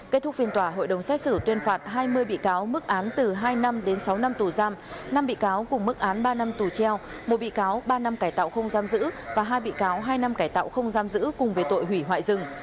kết thúc phiên tòa hội đồng xét xử tuyên phạt hai mươi bị cáo mức án từ hai năm đến sáu năm tù giam năm bị cáo cùng mức án ba năm tù treo một bị cáo ba năm cải tạo không giam giữ và hai bị cáo hai năm cải tạo không giam giữ cùng với tội hủy hoại rừng